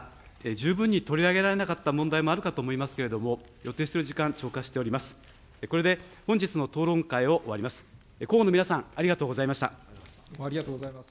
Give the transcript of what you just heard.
十分に取り上げられなかった問題もあるかと思いますけれども、予定している時間、超過しております。